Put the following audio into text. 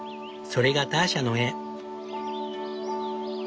それがターシャの絵。